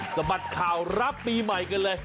บัดข่าวรับปีใหม่กันเลย